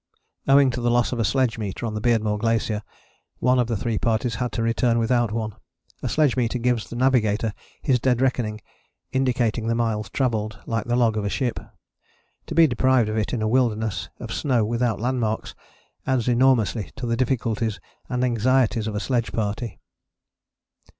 [Owing to the loss of a sledge meter on the Beardmore Glacier one of the three parties had to return without one. A sledge meter gives the navigator his dead reckoning, indicating the miles travelled, like the log of a ship. To be deprived of it in a wilderness of snow without landmarks adds enormously to the difficulties and anxieties of a sledge party.